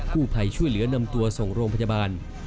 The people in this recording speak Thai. ผู้ภัยช่วยเหลือนำตัวส่งโรงพยาบาล